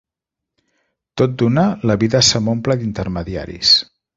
Tot d'una, la vida se m'omple d'intermediaris.